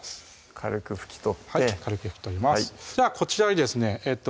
軽く拭き取って軽く拭き取りますではこちらにですねえっと